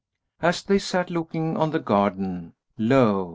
As they sat looking on the garden lo!